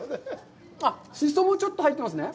シソもちょっと入ってますね。